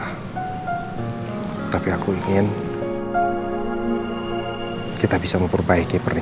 aku janji aku akan jadi istri yang lebih baik lagi buat kamu